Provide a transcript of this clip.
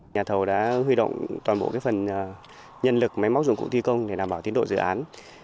nhà thầu đã huy động toàn bộ phần nhân lực máy móc dùng cụ thi công để đảm bảo tiến độ dự án